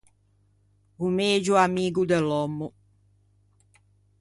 O megio amigo de l’òmmo.